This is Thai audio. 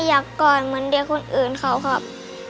อยากกอดเหมือนเด็กคนอื่นเขาครับ